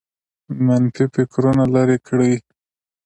منفي فکرونه لرې کړئ